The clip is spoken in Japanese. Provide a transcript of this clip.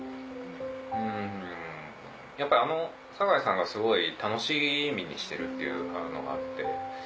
やっぱあの酒井さんがすごい楽しみにしてるっていうのがあって。